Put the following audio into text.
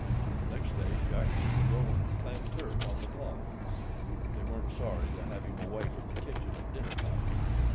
Next day Jack was to go clamp turf on the bog. They weren't sorry to have him away from the kitchen at dinner time.